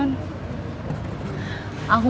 aku juga gak tau kerja seperti apa son